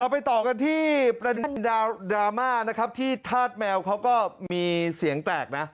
ไปต่อกันที่ประเด็นดราม่านะครับที่ธาตุแมวเขาก็มีเสียงแตกนะ